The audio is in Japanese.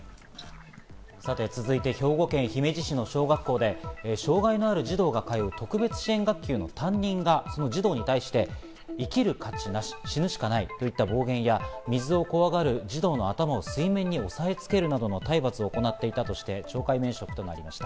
さて続いて兵庫県姫路市の小学校で障害のある児童が通う特別支援学級の担任が児童に対して、生きる価値なし、死ぬしかないといった暴言や水を怖がる児童の頭を水面に押さえつけるなどの体罰を行っていたとして懲戒免職となりました。